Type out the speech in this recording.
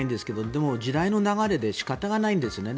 でも、時代の流れで仕方がないんですね。